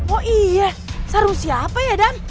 oh iya sarung siapa ya dam